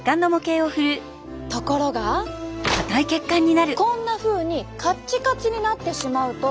ところがこんなふうにカッチカチになってしまうと。